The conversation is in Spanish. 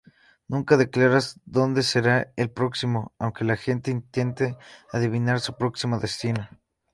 Nunca declara dónde será el próximo, aunque la gente intente adivinar su próximo destino.